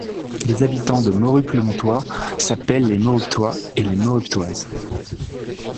Les habitants de Maurupt-le-Montois s'appellent les Mauruptois et les Mauruptoises.